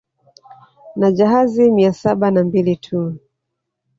Na jahazi mia saba na mbili tu